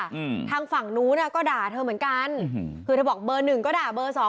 อืมทางฝั่งนู้นอ่ะก็ด่าเธอเหมือนกันคือเธอบอกเบอร์หนึ่งก็ด่าเบอร์สอง